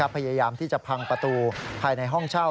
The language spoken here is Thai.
พยายามจับแพงประตูไฟล์ในห้องเช่า